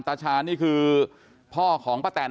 ตาชาญนี่คือพ่อของป้าแตน